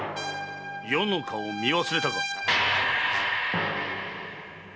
余の顔を見忘れたか。